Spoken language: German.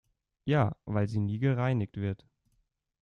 Ja, weil sie nie gereinigt wird.